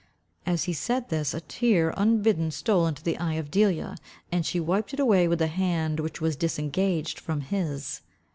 As he said this, a tear unbidden stole into the eye of Delia, and she wiped it away with the hand which was disengaged from his.